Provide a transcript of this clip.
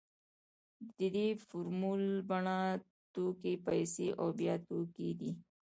د دې فورمول بڼه توکي پیسې او بیا توکي ده